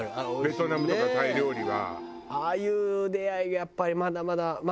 ベトナムとかタイ料理は。